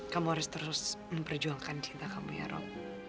kamu harus terus memperjuangkan cinta kamu ya rab